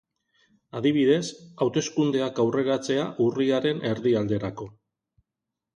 Adibidez, hauteskundeak aurreratzea urriaren erdialderako.